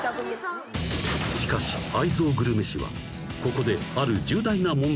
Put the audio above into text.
［しかし愛憎グルメ史はここである］